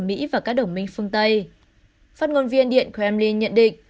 mỹ và các đồng minh phương tây phát ngôn viên điện kremlin nhận định